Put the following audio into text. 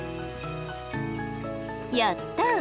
やった！